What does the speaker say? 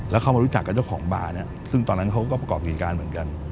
แล้วเข้ามารู้จักกับเจ้าของบาร์เนี่ยซึ่งตอนนั้นเขาก็ประกอบเหตุการณ์เหมือนกัน